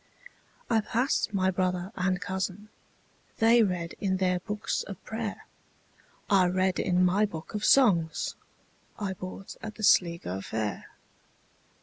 I passed my brother and cousin:They read in their books of prayer;I read in my book of songsI bought at the Sligo fair.